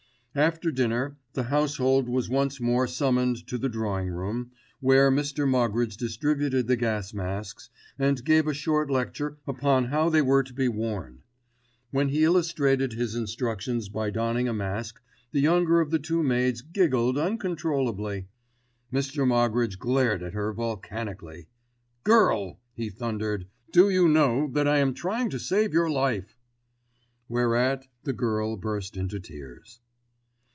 After dinner the household was once more summoned to the drawing room, where Mr. Moggridge distributed the gas masks, and gave a short lecture upon how they were to be worn. When he illustrated his instructions by donning a mask, the younger of the two maids giggled uncontrollably. Mr. Moggridge glared at her volcanically. "Girl!" he thundered, "do you know that I am trying to save your life." Whereat the girl burst into tears.